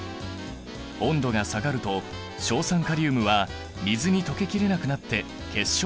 温度が下がると硝酸カリウムは水に溶けきれなくなって結晶となる。